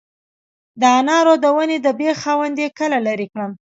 د انارو د ونې د بیخ خاوندې کله لرې کړم؟